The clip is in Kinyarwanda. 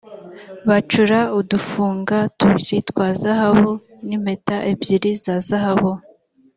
bacura udufunga tubiri twa zahabu nimpeta ebyiri za zahabu.